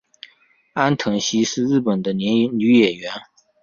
安藤希是日本的女演员。